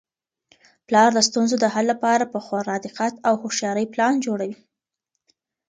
پلار د ستونزو د حل لپاره په خورا دقت او هوښیارۍ پلان جوړوي.